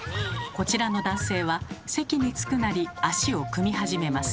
こちらの男性は席につくなり足を組み始めます。